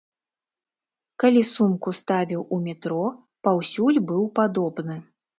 Калі сумку ставіў у метро, паўсюль быў падобны.